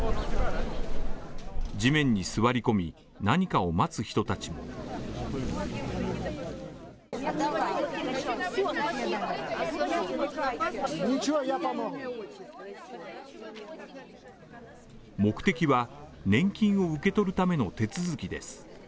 地面に座り込み、何かを待つ人たちも目的は年金を受け取るための手続きです。